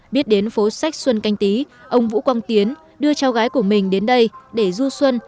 biết đến phố sách xuân canh tí ông vũ quang tiến đưa cháu gái của mình đến đây để du xuân